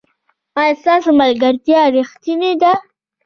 ایا ستاسو ملګرتیا ریښتینې ده؟